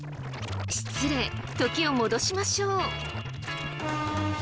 失礼時を戻しましょう。